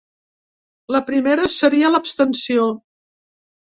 La primera seria l’abstenció.